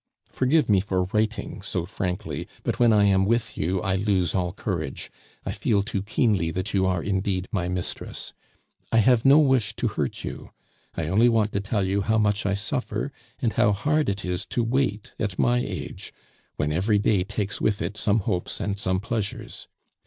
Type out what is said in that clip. "Forgive me for writing so frankly, but when I am with you I lose all courage; I feel too keenly that you are indeed my mistress. I have no wish to hurt you; I only want to tell you how much I suffer, and how hard it is to wait at my age, when every day takes with it some hopes and some pleasures.